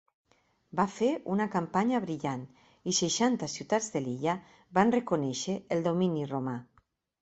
Va fer una campanya brillant i seixanta ciutats de l’illa van reconèixer el domini romà.